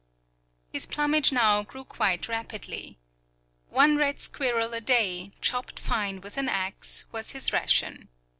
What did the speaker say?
His plumage now grew quite rapidly. One red squirrel a day, chopped fine with an axe, was his ration.